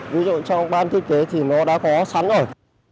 ví dụ cho ban thiết kế thì nó đã có sẵn rồi